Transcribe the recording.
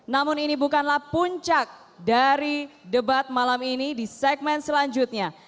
namun ini bukanlah puncak dari debat malam ini di segmen selanjutnya